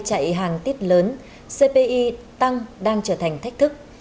chạy hàng tiết lớn cpi tăng đang trở thành thách thức